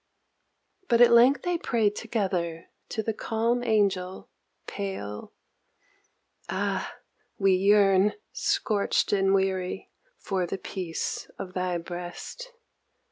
But at length they prayed together to the calm Angel pale, Ah we yearn, scorched and weary, for the peace of thy breast.